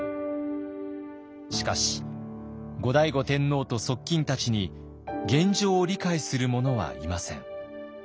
しかし後醍醐天皇と側近たちに現状を理解する者はいません。